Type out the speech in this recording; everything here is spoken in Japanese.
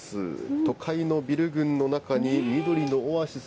都会のビル群の中に緑のオアシス。